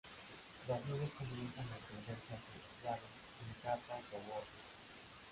Las nubes comienzan a extenderse hacia los lados, en capas o bordes.